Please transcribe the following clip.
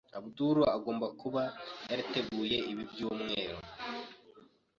Abdul agomba kuba yarateguye ibi byumweru.